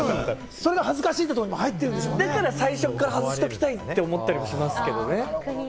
それが恥ずかしいにも入ってだから最初から外しておきたいって思ったりもしますけどね。